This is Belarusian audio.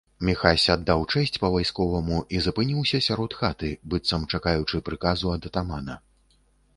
Міхась аддаў чэсць па-вайсковаму і запыніўся сярод хаты, быццам чакаючы прыказу ад атамана.